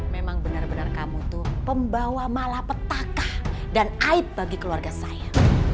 memang benar benar kamu tuh pembawa malapetakah dan aib bagi keluarga saya